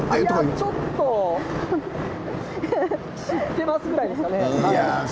ちょっと知っています、ぐらいですね。